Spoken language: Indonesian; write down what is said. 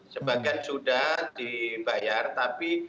sebagian sudah dibayar tapi